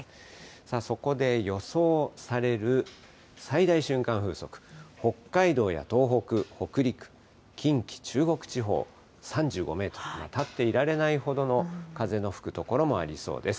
さあそこで予想される最大瞬間風速、北海道や東北、北陸、近畿、中国地方、３５メートル、立っていられないほどの風の吹く所もありそうです。